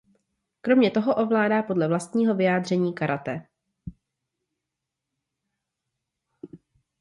Kromě toho ovládá podle vlastního vyjádření karate.